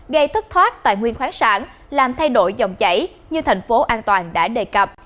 gây thất thoát tài nguyên khoáng sản làm thay đổi dòng chảy như thành phố an toàn đã đề cập